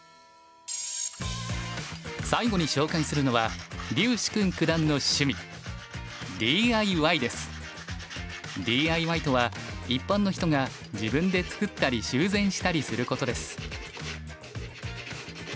最後に紹介するのは柳時熏九段の趣味ＤＩＹとは一般の人が自分で作ったり修繕したりすることです。